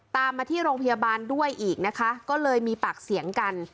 ตามมาที่โรงพยาบาลด้วยอีกนะคะก็เลยมีปากเสียงกัน